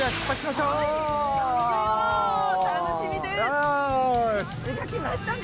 楽しみです！